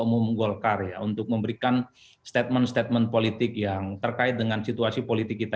umum golkar ya untuk memberikan statement statement politik yang terkait dengan situasi politik kita